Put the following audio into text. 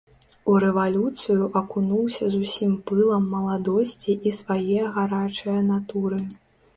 У рэвалюцыю акунуўся з усім пылам маладосці і свае гарачае натуры.